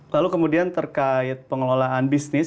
lalu kemudian terkait pengelolaan bisnis